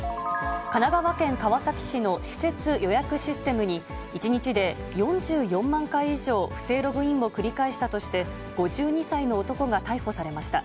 神奈川県川崎市の施設予約システムに、１日で４４万回以上、不正ログインを繰り返したとして、５２歳の男が逮捕されました。